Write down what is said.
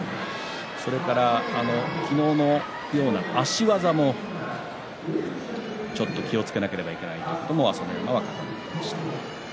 それから昨日のような足技もちょっと気をつけなければいけないとも朝乃山が言っていました。